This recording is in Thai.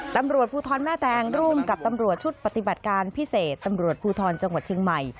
ตำรวจภูทรแม่แตงร่วมกับตำรวจชุดปฏิบัติการพิเศษตำรวจภูทรจังหวัดเชียงใหม่